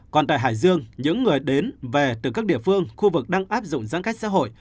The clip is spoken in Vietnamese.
còn tại hải dương những người đến về từ các địa phương khu vực đang áp dụng giãn cách xã hội